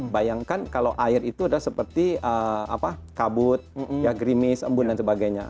bayangkan kalau air itu adalah seperti kabut gerimis embun dan sebagainya